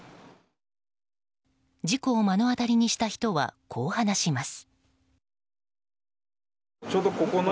事故を目の当たりにした人はこう話します。